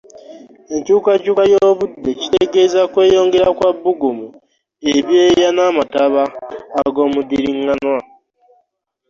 Enkyukakyuka y’obudde kitegeeza kweyongera kwa bbugumu, ebyeya n’amataba ag’omuddiringanwa.